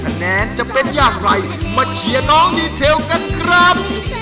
คะแนนจะเป็นอย่างไรมาเชียร์น้องดีเทลกันครับ